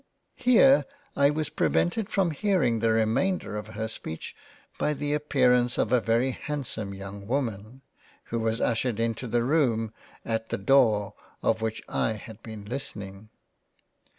Here I was prevented from hearing the remainder of her speech, by the appearance of a very Handsome young Woman, who was ushured into the Room at the Door of which I had been listening.